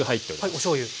はいおしょうゆ。